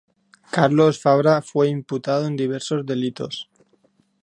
Carlos Fabra fue imputado en diversos delitos.